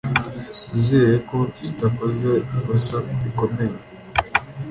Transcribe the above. Nizere ko tutakoze ikosa rikomeye.